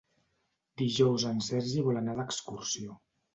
Dijous en Sergi vol anar d'excursió.